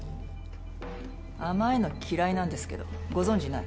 甘いの嫌いなんですけどご存じない？